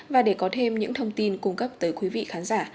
và để có thêm những thông tin cung cấp tới quý vị khán giả